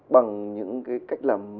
bằng những cái cách làm